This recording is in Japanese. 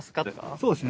そうですね